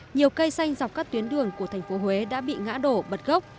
nhiều cây xanh dọc các tuyến đường của thành phố huế đã bị ngã đổ bật gốc